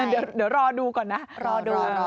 เดี๋ยวรอดูก่อนนะรอดูรอ